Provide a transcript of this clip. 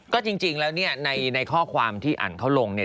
ก็จริงแล้วเนี่ยในข้อความที่อันเขาลงเนี่ย